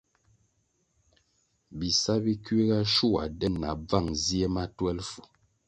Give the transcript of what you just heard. Bisa bi kiuga shua den na bvan zie ma twelfu.